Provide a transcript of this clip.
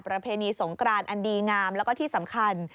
ประเพณีสงกรานอันดีงามแล้วก็ที่สำคัญ